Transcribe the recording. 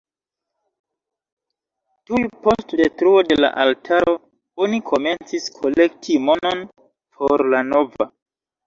Tuj post detruo de la altaro oni komencis kolekti monon por la nova.